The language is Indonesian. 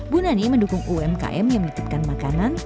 bunani mendukung umkm yang menutupkan makanan